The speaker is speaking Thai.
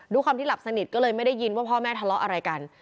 ความที่หลับสนิทก็เลยไม่ได้ยินว่าพ่อแม่ทะเลาะอะไรกัน